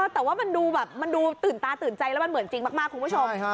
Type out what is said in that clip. แต่ว่ามันดูแบบมันดูตื่นตาตื่นใจแล้วมันเหมือนจริงมากคุณผู้ชม